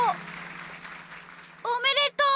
おめでとう！